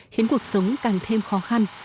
khiến cuộc sống càng thêm khó khăn